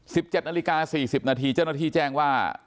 สิบเจ็ดนาฬิกาสี่สิบนาทีเจ้าหน้าที่แจ้งว่า